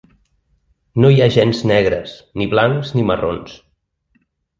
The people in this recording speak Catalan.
No hi ha gens «negres», ni «blancs» ni «marrons».